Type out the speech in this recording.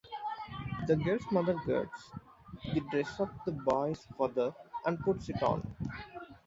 The girl's mother gets the dress of the boy's father and puts it on.